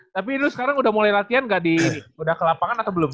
tapi lo sekarang udah mulai latihan gak di udah ke lapangan atau belum